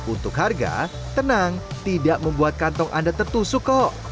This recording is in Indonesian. untuk harga tenang tidak membuat kantong anda tertusuk kok